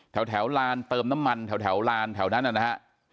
ลานเติมน้ำมันแถวลานแถวนั้นนะฮะ